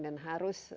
dan harus bisa